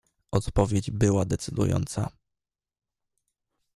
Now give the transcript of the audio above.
"Odpowiedź była decydująca."